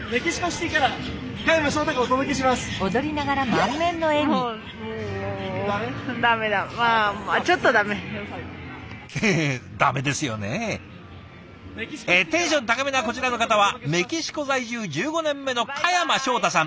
テンション高めなこちらの方はメキシコ在住１５年目の嘉山正太さん。